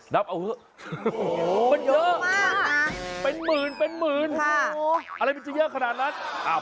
นับเอาเพื่อเป็นเยอะเป็นหมื่นอะไรมันจะเยอะขนาดนั้น